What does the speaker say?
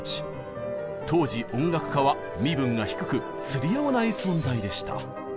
当時音楽家は身分が低く釣り合わない存在でした。